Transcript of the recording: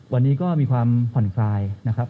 วันนี้ก็มีความผ่อนคลายนะครับ